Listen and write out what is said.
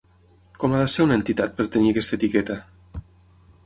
Com ha de ser una entitat per tenir aquesta etiqueta?